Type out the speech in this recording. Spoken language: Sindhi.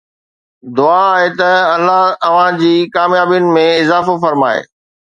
دعا آهي ته الله اوهان جي ڪاميابين ۾ اضافو فرمائي